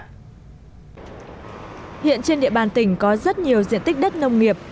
hiện trên địa bàn tỉnh có rất nhiều diện tích đất nông nghiệp